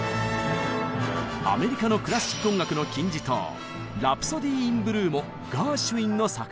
アメリカのクラシック音楽の金字塔「ラプソディー・イン・ブルー」もガーシュウィンの作品。